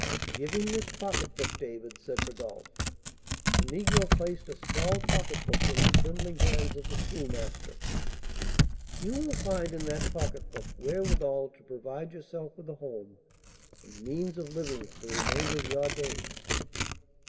"Give him this pocketbook, David," said Rodolph. The negro placed a small pocketbook in the trembling hands of the Schoolmaster. "You will find in that pocketbook wherewithal to provide yourself with a home and the means of living for the remainder of your days.